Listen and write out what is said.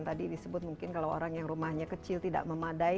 tadi disebut mungkin kalau orang yang rumahnya kecil tidak memadai